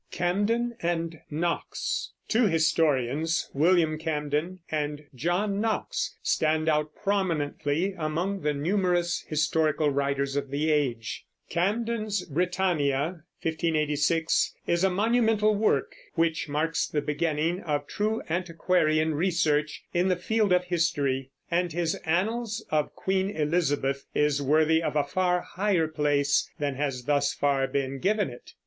CAMDEN AND KNOX. Two historians, William Camden and John Knox, stand out prominently among the numerous historical writers of the age. Camden's Britannia (1586) is a monumental work, which marks the beginning of true antiquarian research in the field of history; and his Annals of Queen Elizabeth is worthy of a far higher place than has thus far been given it.